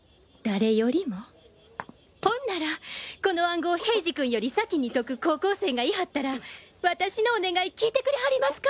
ほんならこの暗号を平次君より先に解く高校生がいはったら私のお願い聞いてくれはりますか？